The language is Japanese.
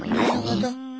なるほど。